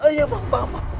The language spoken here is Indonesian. iya paham pak